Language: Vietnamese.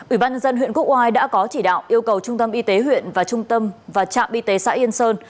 ủy ban nhân dân huyện quốc oai đã có chỉ đạo yêu cầu trung tâm y tế huyện và trung tâm và trạm y tế xã yên sơn